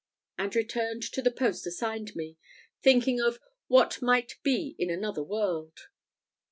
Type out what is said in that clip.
and returned to the post assigned me, thinking of what might be in another world.